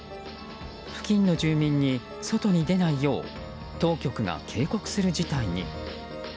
付近の住民に、外に出ないよう当局が警告する事態に。